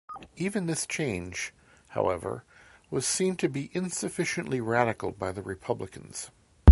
Even this change, however, was seen to be insufficiently radical by the republicans.